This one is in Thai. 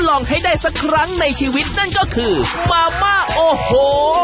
จากฮ่าคือมาม่าโอ้โห